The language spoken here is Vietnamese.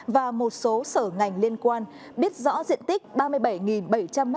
và một số sở ngành liên quan biết rõ diện tích ba mươi bảy bảy trăm linh m hai